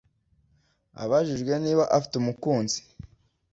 Abajijwe niba afite umukunzi